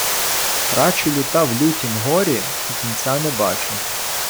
Трачу літа в лютім горі і кінця не бачу